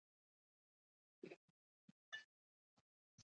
لوښي پرېولي.